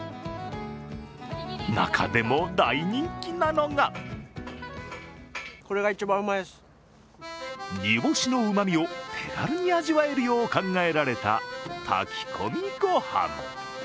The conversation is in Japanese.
中でも、大人気なのが煮干しのうまみを手軽に味わえるよう考えられた炊き込みご飯。